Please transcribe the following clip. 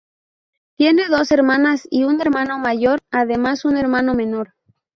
Tiene dos hermanas y un hermano mayor además de un hermano menor.